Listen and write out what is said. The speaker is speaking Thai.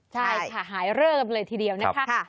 ใช่ค่ะหายเริ่มเลยทีเดียวนะคะ